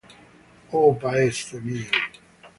Oh Paese mio!